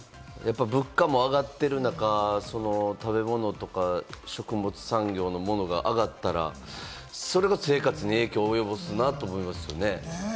物価も上がってる中、食べ物とか食物産業のものとかが上がったら、それこそ生活に影響を及ぼすなと思いますね。